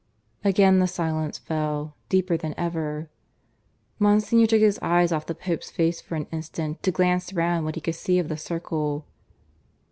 Again the silence fell, deeper than ever. Monsignor took his eyes off the Pope's face for an instant to glance round what he could see of the circle.